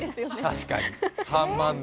確かに。